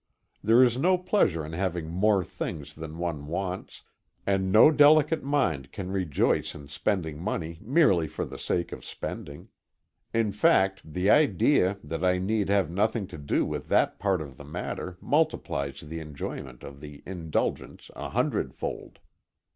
There is no pleasure in having more things than one wants, and no delicate mind can rejoice in spending money merely for the sake of spending. In fact, the idea that I need have nothing to do with that part of the matter multiplies the enjoyment of the indulgence a hundredfold.